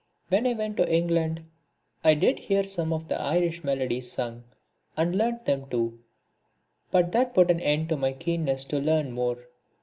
When I went to England I did hear some of the Irish Melodies sung, and learnt them too, but that put an end to my keenness to learn more.